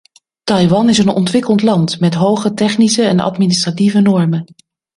Taiwan is een ontwikkeld land met hoge technische en administratieve normen.